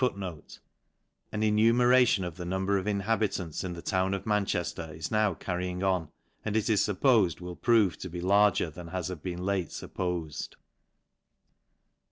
* An enumeration of the number of inhabitants in the town of Manchejier is now carrying on, and it is fuppofed will prove to bs Urger than has been of late fuppofed.